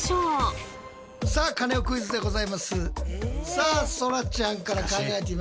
さあそらちゃんから考えてみましょうか。